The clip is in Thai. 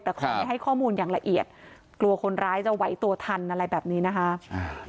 แต่ขอไม่ให้ข้อมูลอย่างละเอียดกลัวคนร้ายจะไหวตัวทันอะไรแบบนี้นะคะ